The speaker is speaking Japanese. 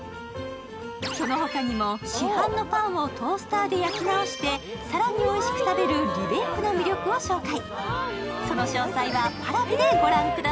その他にも市販のパンをトースターで焼き直して更においしく食べるリベイクの魅力を紹介。